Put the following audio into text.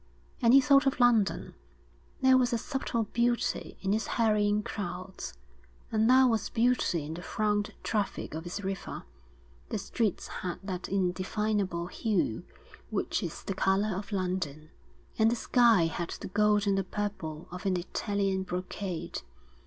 And he thought of London. There was a subtle beauty in its hurrying crowds, and there was beauty in the thronged traffic of its river: the streets had that indefinable hue which is the colour of London, and the sky had the gold and the purple of an Italian brocade.